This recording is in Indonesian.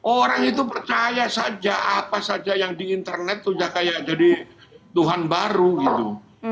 orang itu percaya saja apa saja yang di internet itu sudah kayak jadi tuhan baru gitu